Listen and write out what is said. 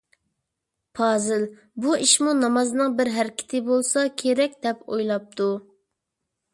پازىل «بۇ ئىشمۇ نامازنىڭ بىر ھەرىكىتى بولسا كېرەك» دەپ ئويلاپتۇ.